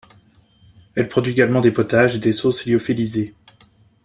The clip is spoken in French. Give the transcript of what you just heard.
Elle produit également des potages et des sauces lyophilisés.